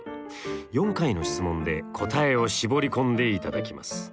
４回の質問で答えを絞り込んでいただきます。